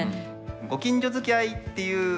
ご近所づきあいっていう感じ